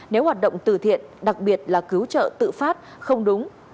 nếu hoạt động từ thiện đặc biệt là cứu trợ tự phát không đúng